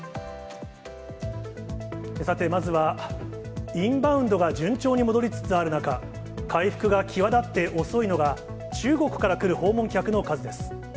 さて、まずはインバウンドが順調に戻りつつある中、回復が際立って遅いのが、中国から来る訪問客の数です。